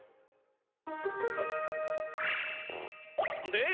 で？